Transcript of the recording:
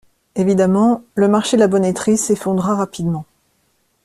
Évidemment, le marché de la bonneterie s’effondra rapidement.